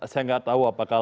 saya tidak tahu apakah